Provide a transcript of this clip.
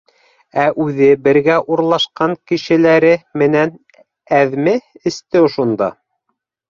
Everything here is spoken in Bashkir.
Ә үҙе бергә урлашҡан кешеләре менән әҙме эсте ошонда!